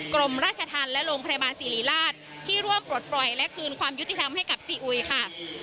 กรมราชธรรมและโรงพยาบาลศิริราชที่ร่วมปลดปล่อยและคืนความยุติธรรมให้กับซีอุยค่ะ